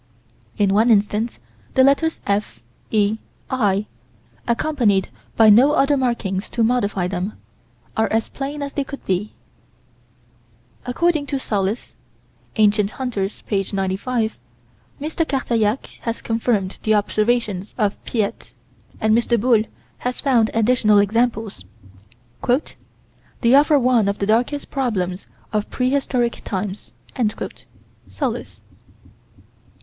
In one instance the letters "F E I" accompanied by no other markings to modify them, are as plain as they could be. According to Sollas (Ancient Hunters, p. 95) M. Cartailhac has confirmed the observations of Piette, and M. Boule has found additional examples. "They offer one of the darkest problems of prehistoric times." (Sollas.)